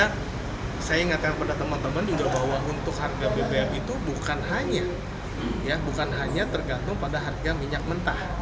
sehingga saya ingatkan kepada teman teman juga bahwa untuk harga bbm itu bukan hanya tergantung pada harga minyak mentah